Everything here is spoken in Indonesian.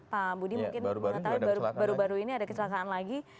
pak budi mungkin mengetahui baru baru ini ada kecelakaan lagi